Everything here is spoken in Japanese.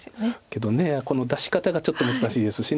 けどこの出し方がちょっと難しいですし。